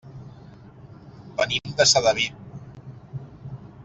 Venim de Sedaví.